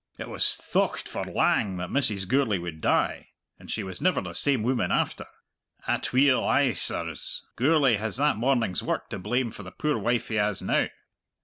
It was thocht for lang that Mrs. Gourlay would die; and she was never the same woman after. Atweel, ay, sirs, Gourlay has that morning's work to blame for the poor wife he has now.